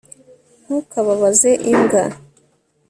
ntukababaze imbwa